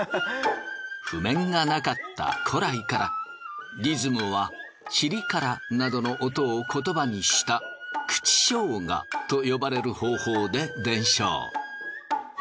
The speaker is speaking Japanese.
譜面がなかった古来からリズムはチリカラなどの音を言葉にした口唱歌と呼ばれる方法で伝承。